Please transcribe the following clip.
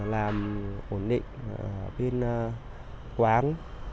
làm ổn định bên quán